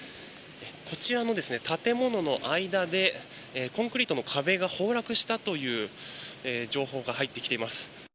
こちらの建物の間でコンクリートの壁が崩落したという情報が入ってきています。